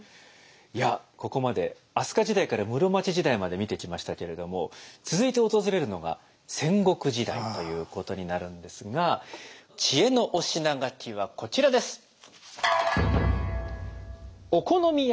いやここまで飛鳥時代から室町時代まで見てきましたけれども続いて訪れるのが戦国時代ということになるんですが知恵のお品書きはこちらです。